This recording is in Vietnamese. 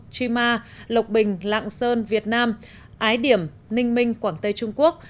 chima lộc bình lạng sơn việt nam ái điểm ninh minh quảng tây trung quốc